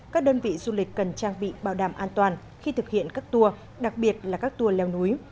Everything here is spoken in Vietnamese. các đơn vị du lịch cần trang bị bảo đảm an toàn khi thực hiện các tour đặc biệt là các tour leo núi